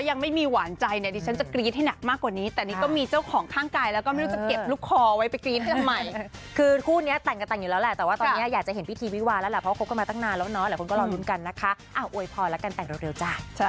อยากจะเห็นพี่ทีวีวาแล้วล่ะเพราะว่าคบกันมาตั้งนานแล้วเนาะหลายคนก็รอรุ้นกันนะคะอ่ะอวยพอแล้วกันแต่งเร็วจ้า